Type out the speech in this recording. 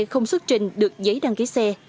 không xuất trình được giấy đăng ký xe